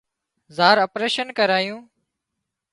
زار اپريشن ڪرايوُن